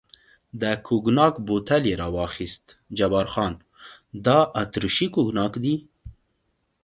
د کوګناک بوتل یې را واخیست، جبار خان: دا اتریشي کوګناک دی.